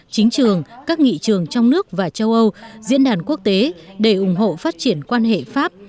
chính trường các nghị trường trong nước và châu âu diễn đàn quốc tế để ủng hộ phát triển quan hệ pháp